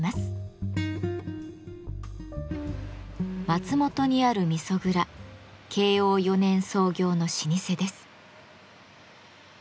松本にある味噌蔵慶応４年創業の老舗です。